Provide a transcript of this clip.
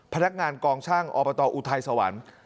พนักงานกองช่างอบตอุทัยสวรรค์